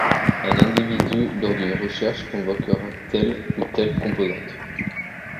Un individu lors d’une recherche convoquera telle ou telle composante.